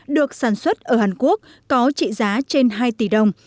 được sản xuất ở hàn quốc có trị giá trên hai tỷ đồng